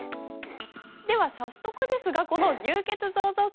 では早速ですがこの「牛造像記」